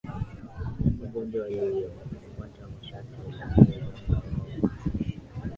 wagonjwa waliyofuata masharti waliongeza muda wao wa kuishi